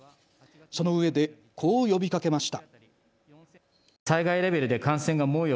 そのうえで、こう呼びかけました。